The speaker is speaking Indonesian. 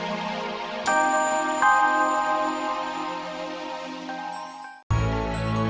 kita akan datang